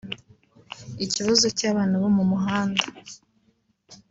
”Ikibazo cy’abana bo mu muhanda